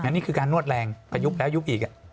นี่คือการนวดแรงประยุกต์แล้วยุบอีก